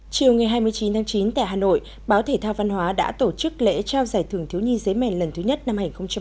chiều ngày hai mươi chín tháng chín tại hà nội báo thể thao văn hóa đã tổ chức lễ trao giải thưởng thiếu nhi giấy mèn lần thứ nhất năm hai nghìn hai mươi